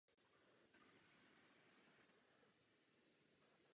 Jako herečka se objevila i v několika dalších televizních pořadech Slovenské televize.